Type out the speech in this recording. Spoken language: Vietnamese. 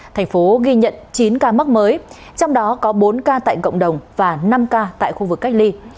thành phố ghi nhận chín ca mắc mới trong đó có bốn ca tại cộng đồng và năm ca tại khu vực cách ly